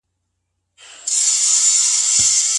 آیا کشته له زردالو څخه جوړیږي؟.